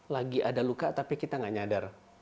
lagi ada luka tapi kita tidak sadar